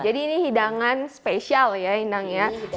jadi ini hidangan spesial ya inang